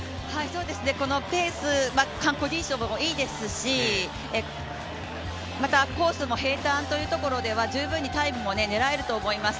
ペースコンディションもいいですし、また、コースも平たんというところでは十分にタイムも狙えると思います。